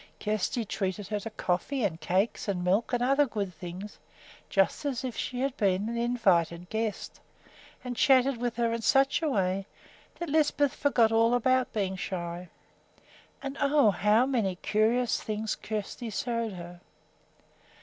Kjersti treated her to coffee and cakes and milk and other good things, just as if she had been an invited guest, and chatted with her in such a way that Lisbeth forgot all about being shy. And oh, how many curious things Kjersti showed her!